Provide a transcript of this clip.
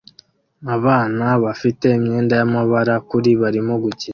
Abana bafite imyenda y'amabara kuri barimo gukina